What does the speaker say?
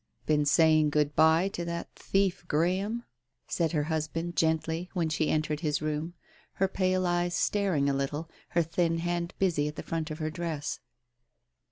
••••••• "Been saying good bye to that thief Graham?" said her husband gently, when she entered his room, her pale eyes staring a little, her thin hand busy at the front of her dress.